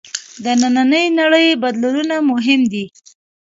د نننۍ نړۍ بدلونونه مهم دي.